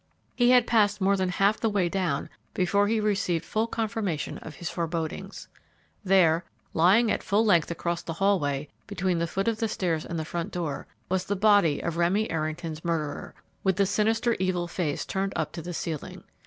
He had passed more than half the way down before he received full confirmation of his forebodings. There, lying at full length across the hallway, between the foot of the stairs and the front door, was the body of Remy Errington's murderer, with the sinister, evil face turned up to the ceiling.